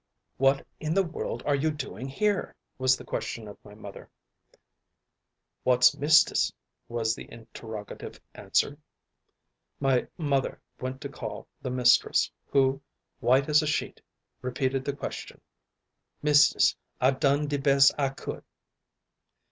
"What in the world are you doing here?" was the question of my mother. "Whar's mistis'?" was the interrogative answer. My mother went to call the mistress, who, white as a sheet repeated the question. "Mistis', I done de bes' I could."